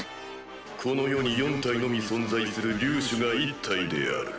この世に４体のみ存在する竜種が１体である。